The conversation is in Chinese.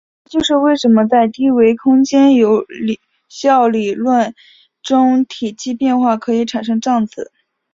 这就是为什么在低维空间有效理论中体积变化可以产生胀子。